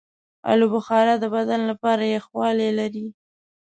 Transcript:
آلوبخارا د بدن لپاره یخوالی لري.